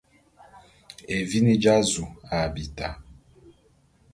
Evini dja’azu a bita.